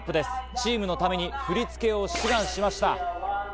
チームのために振り付けを志願しました。